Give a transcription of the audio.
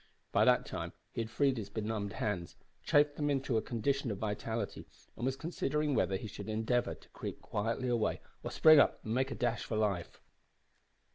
By that time he had freed his benumbed hands, chafed them into a condition of vitality, and was considering whether he should endeavour to creep quietly away or spring up and make a dash for life.